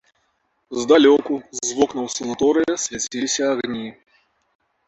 Здалёку, з вокнаў санаторыя, свяціліся агні.